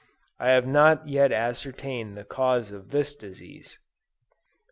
I have not yet ascertained the cause of this disease.